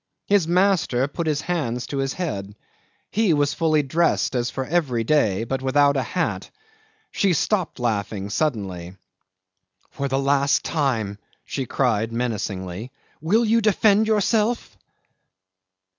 His master put his hands to his head. He was fully dressed as for every day, but without a hat. She stopped laughing suddenly. "For the last time," she cried menacingly, "will you defend yourself?"